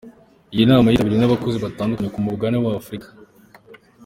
Iyi nama yitabiriwe n'abayobozi batandukanye ku mugabane wa Afrika.